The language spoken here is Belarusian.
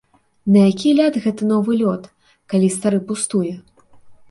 На які ляд гэты новы лёд, калі стары пустуе?